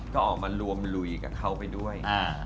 ก็ออกมารวมลุยกับเขาไปด้วย